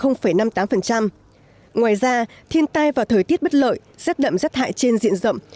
ngoài ra thiên tai và thời tiết bất lợi giác đậm giác hại trên diện rộng